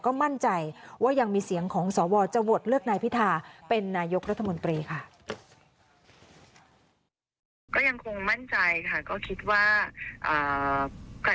ก็มั่นใจว่ายังมีเสียงของสวจะโหวตเลือกนายพิธาเป็นนายกรัฐมนตรีค่ะ